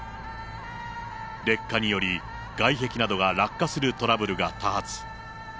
劣化により、外壁などが落下するトラブルが多発。